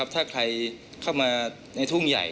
ถ้าใครเข้ามาในทุ่งใหญ่